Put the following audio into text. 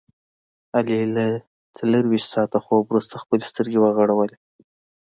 علي له څلوریشت ساعته خوب ورسته خپلې سترګې وغړولې.